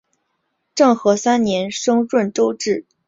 政和三年升润州置。